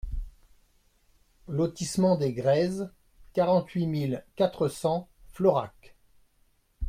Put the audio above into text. Lotissement des Grèzes, quarante-huit mille quatre cents Florac